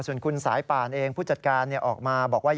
ส่วนคุณสายป่านเองผู้จัดการออกมาบอกว่า